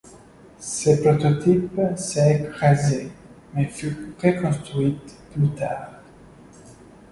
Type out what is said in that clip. Ce prototype s'est écrasé, mais fut reconstruite plus tard.